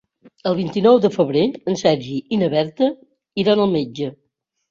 El vint-i-nou de febrer en Sergi i na Berta iran al metge.